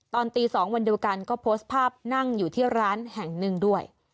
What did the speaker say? ตอนตี๒วันเดียวกันก็โพสต์ภาพนั่งอยู่ที่ร้านแห่งหนึ่งด้วย